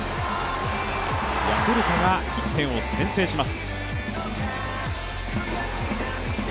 ヤクルトが１点を先制します。